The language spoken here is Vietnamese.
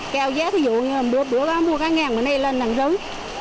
kéo dế thì dù mua mua các ngàn mà này là nắng rơi